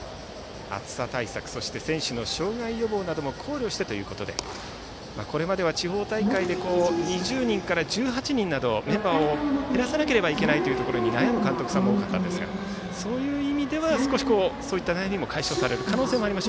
暑さ対策、選手の障害予防も考慮してということでこれまでは地方大会で２０人から１８人などメンバーを減らさなければいけないことに悩む監督さんも多かったですがそういう意味では悩みも解消される形になります。